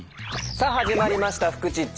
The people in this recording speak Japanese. さあ始まりました「フクチッチ」。